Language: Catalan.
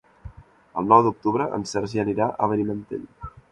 El nou d'octubre en Sergi anirà a Benimantell.